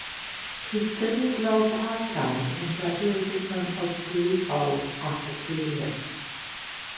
He studied law part-time and graduated from Osgoode Hall after three years.